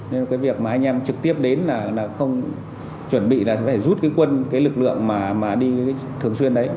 nên cái việc mà anh em trực tiếp đến là không chuẩn bị là sẽ phải rút cái quân cái lực lượng mà đi thường xuyên đấy